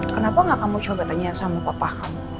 kenapa gak kamu coba tanya sama papa kamu